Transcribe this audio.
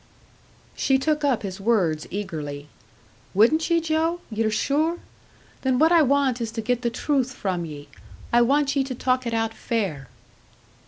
She took up his words eagerly. "Wouldn't ye, Joe? Ye're sure? Then what I want is to get the truth from ye. I want ye to talk it out fair!"